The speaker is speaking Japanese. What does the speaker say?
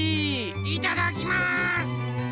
いただきます！